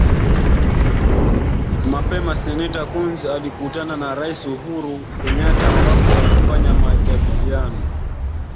Mapema seneta Coons alikutana na rais Uhuru Kenyatta ambapo walifanya majadiliano